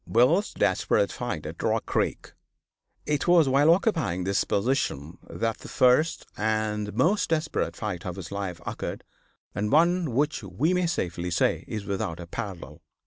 BILL'S DESPERATE FIGHT AT ROCK CREEK It was while occupying this position that the first and most desperate fight of his life occurred, and one which we may safely say is without a parallel.